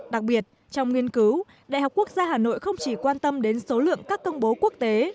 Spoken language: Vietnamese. đặc biệt trong nghiên cứu đại học quốc gia hà nội không chỉ quan tâm đến số lượng các công bố quốc tế